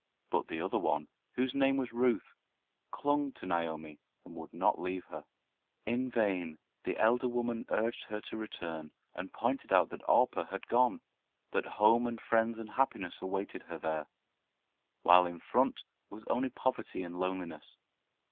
But the other one, whose name was Ruth, clung to Naomi, and would not leave her. In vain the elder woman urged her to return, and pointed out that Orpah had gone, that home and friends and happiness awaited her there, while in front was only poverty and loneliness.